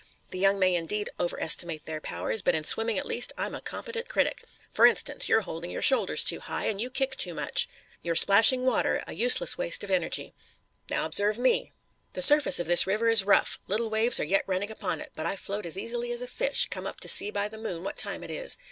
The young may indeed over estimate their powers, but in swimming at least I'm a competent critic. For instance, you're holding your shoulders too high, and you kick too much. You're splashing water, a useless waste of energy. Now observe me. The surface of this river is rough. Little waves are yet running upon it, but I float as easily as a fish, come up to see by the moon what time it is.